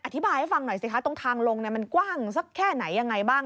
อธิบายให้ฟังหน่อยสิคะตรงทางลงมันกว้างสักแค่ไหนยังไงบ้าง